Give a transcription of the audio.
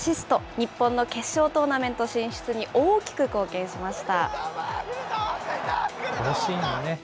日本の決勝トーナメント進出に大きく貢献しました。